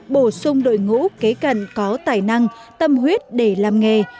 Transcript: bổ sung đội ngũ kế cận có tài năng tâm huyết để làm nghề